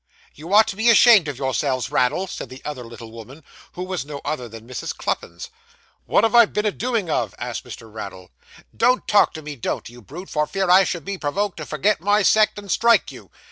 'You ought to be ashamed of yourself, Raddle,' said the other little woman, who was no other than Mrs. Cluppins. 'What have I been a doing of?' asked Mr. Raddle. 'Don't talk to me, don't, you brute, for fear I should be perwoked to forgit my sect and strike you!